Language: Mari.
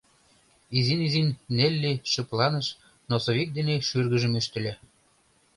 Изин-изин Нелли шыпланыш, носовик дене шӱргыжым ӱштыльӧ.